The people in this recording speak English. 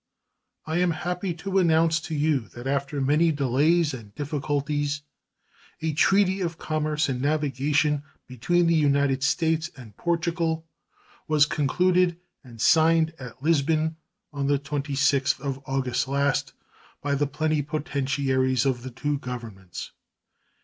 I am happy to announce to you that after many delays and difficulties a treaty of commerce and navigation between the United States and Portugal was concluded and signed at Lisbon on the 26th of August last by the plenipotentiaries of the two Governments.